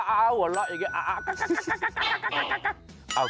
อะไรนะ